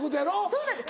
そうなんです